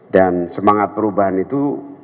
dan semangat perubahan itu